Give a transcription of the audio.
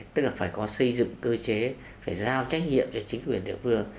tức là phải có xây dựng cơ chế phải giao trách nhiệm cho chính quyền địa phương